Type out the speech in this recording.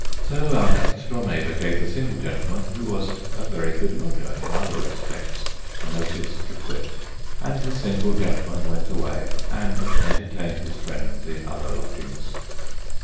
So, our next door neighbour gave the single gentleman, who was a very good lodger in other respects, notice to quit ; and the single gentleman went away, and entertained his friends in other lodgings.